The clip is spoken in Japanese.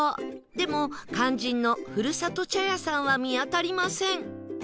でも肝心のふるさと茶屋さんは見当たりません